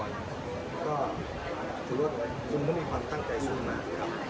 ก็ถือว่าคุณมันมีความตั้งใจสู้มากครับ